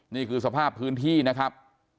นี่คือสภาพพื้นที่นะครับ